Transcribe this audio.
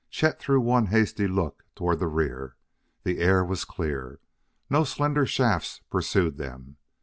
Chet threw one hasty look toward the rear; the air was clear; no slender shafts pursued them.